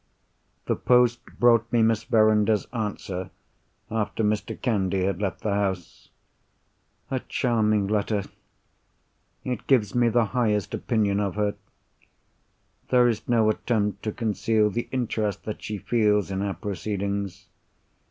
The post brought me Miss Verinder's answer, after Mr. Candy had left the house. A charming letter! It gives me the highest opinion of her. There is no attempt to conceal the interest that she feels in our proceedings.